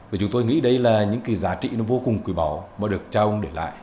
và chúng tôi nghĩ đây là những cái giá trị nó vô cùng quý bảo mà được cha ông để lại